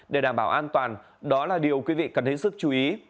để đảm bảo an toàn đó là điều quý vị cần hết sức chú ý